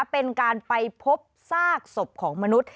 เป็นการไปพบซากศพของมนุษย์